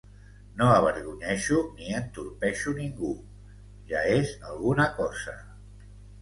No avergonyeixo ni entorpeixo ningú; ja és alguna cosa.